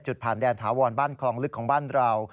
ผ่านแดนถาวรบ้านคลองลึกของบ้านเรา